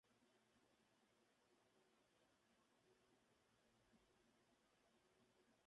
No se sabe el año exacto de su muerte.